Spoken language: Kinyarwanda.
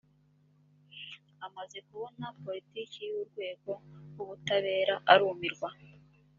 amaze kubona politiki y urwego rw’ ubutabera arumirwa